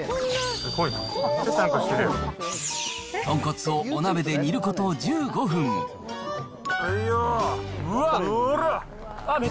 すごいな、豚骨をお鍋で煮ること１５分うわっ。